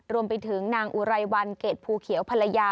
รวมไปถึงนางอุไรวันเกรดภูเขียวภรรยา